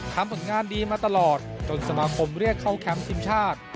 ผลงานดีมาตลอดจนสมาคมเรียกเข้าแคมป์ทีมชาติ